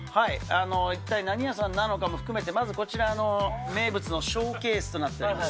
一体何屋さんなのかも含めて、まずこちらの名物のショーケースとなっております。